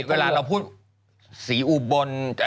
เวลาเราพูดสีอุบล